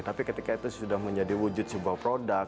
tapi ketika itu sudah menjadi wujud sebuah produk